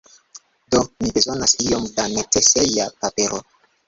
Do mi bezonas iom da neceseja papero.